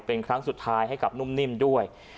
เป็นครั้งสุดท้ายให้กับนุ่มนิ่มด้วย